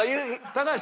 高橋！